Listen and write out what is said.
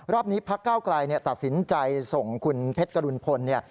รอบนี้พักเก้าไกลตัดสินใจส่งคุณเพชรกรุณพลเนี่ย